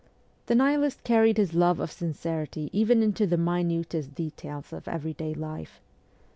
The Nihilist carried his love of sincerity even into the minutest details of everyday life.